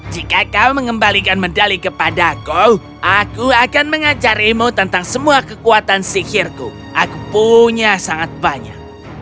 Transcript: jika kau mengembalikan medali kepadaku aku akan mengajarimu tentang semua kekuatan sihirku aku punya sangat banyak